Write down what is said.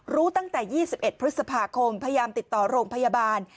รู้ตั้งแต่๒๑พฤษภาคมพยายามติดต่อโรงพยาบาล